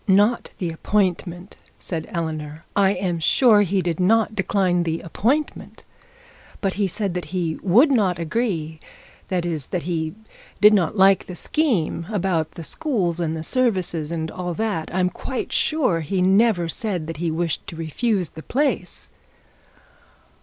'Not the appointment,' said Eleanor. 'I am sure he did not decline the appointment. But he said that he would not agree, that is, that he did not like the scheme about the schools, and the services, and all that. I am quite sure he never said he wished to refuse the place.'